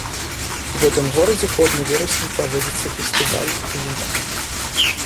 У гэтым горадзе кожны верасень праводзіцца фестываль віна.